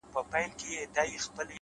د زړه پاکوالی اړیکې ژوروي!